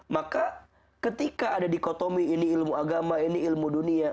maka ketika ada dikotomi ini ilmu agama ini ilmu dunia